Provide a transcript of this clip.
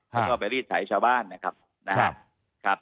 แล้วก็ไปรีดไถชาวบ้านนะครับ